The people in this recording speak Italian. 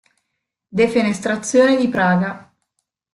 Defenestrazione di Praga